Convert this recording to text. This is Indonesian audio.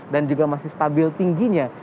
dan juga masih stabil tingginya